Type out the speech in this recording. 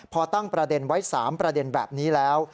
พอตั้งประเด็นไว้๓ประเด็นแบบนี้แล้ว